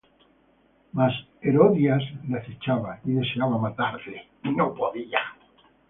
Mas Herodías le acechaba, y deseaba matarle, y no podía: